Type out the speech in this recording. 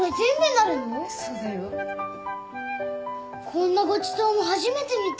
こんなごちそうも初めて見た。